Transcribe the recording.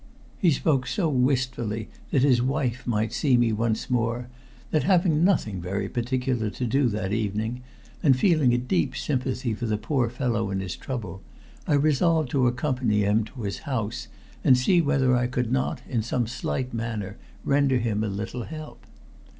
He spoke so wistfully that his wife might see me once more that, having nothing very particular to do that evening, and feeling a deep sympathy for the poor fellow in his trouble, I resolved to accompany him to his house and see whether I could not, in some slight manner, render him a little help.